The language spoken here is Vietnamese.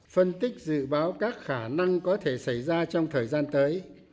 phân tích dự báo các khả năng có thể xảy ra trong thời gian tới